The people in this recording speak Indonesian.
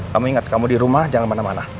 kamu ingat kamu di rumah jangan ke mana mana